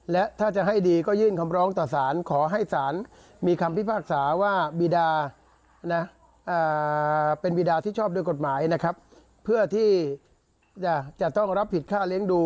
ลองฟังท่านเจชาพูดค่ะ